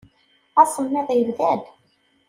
Asemmiḍ yebda-d.